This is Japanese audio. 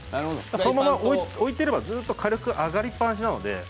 そのまま置いていればずっと火力が上がりっぱなしなので。